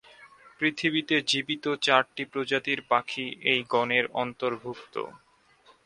পৃথিবীতে জীবিত চারটি প্রজাতির পাখি এই গণের অন্তর্ভুক্ত।